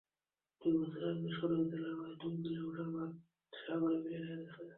দুই বছর আগে সরইতলায় প্রায় দুই কিলোমিটার বাঁধ সাগরে বিলীন হয়ে গেছে।